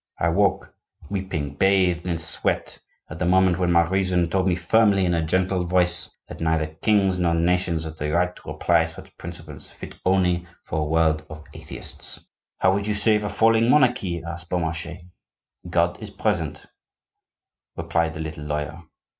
I woke, weeping, bathed in sweat, at the moment when my reason told me firmly, in a gentle voice, that neither kings nor nations had the right to apply such principles, fit only for a world of atheists." "How would you save a falling monarchy?" asked Beaumarchais. "God is present," replied the little lawyer.